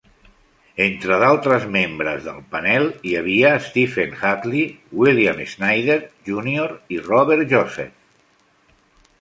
Entre d'altres membres del panel hi havia Stephen Hadley, William Schneider, Junior i Robert Joseph.